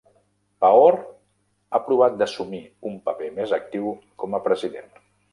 Pahor ha provat d'assumir un paper més actiu com a president.